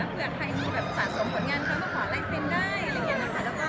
เผื่อใครมีสะสมผลงานเข้ามาขอแรงกินได้อะไรแบบนี้นะคะ